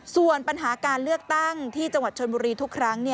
ส่วนปัญหาการเลือกตั้งที่จังหวัดชนบุรีทุกครั้ง